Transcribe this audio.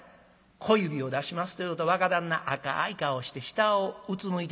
小指を出しますというと若旦那赤い顔して下をうつむいてなはる。